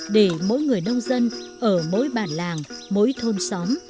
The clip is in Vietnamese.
để mỗi người nông dân ở mỗi bản làng mỗi thôn xóm